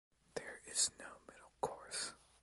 There is no middle course.